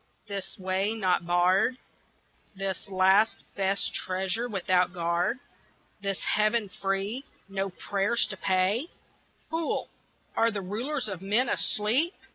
this way not barred? This last best treasure without guard? This heaven free no prayers to pay? Fool are the Rulers of men asleep?